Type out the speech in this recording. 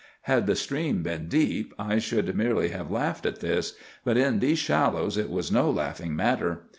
Had the stream been deep I should merely have laughed at this, but in these shallows it was no laughing matter.